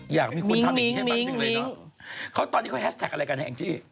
อยากมีคนทำอย่างนี้ให้มากจังเลยเนอะเขาตอนนี้เขาแฮสแท็กอะไรกันให้แองจี้